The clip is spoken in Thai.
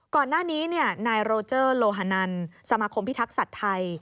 ก่อนหน้านี้นายโรเจอร์โลฮานันสมาคมพิทักษัตริย์ไทย